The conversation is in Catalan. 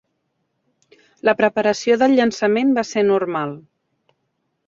La preparació del llançament va ser normal.